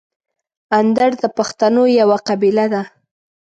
اندړ د پښتنو یوه قبیله ده.